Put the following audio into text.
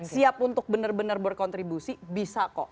siap untuk benar benar berkontribusi bisa kok